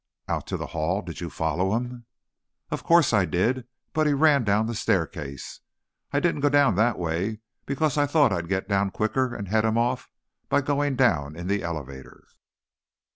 "Out to the hall? Did you follow him?" "Of course I did! But he ran down the staircase. I didn't go down that way, because I thought I'd get down quicker and head him off by going down in the elevator."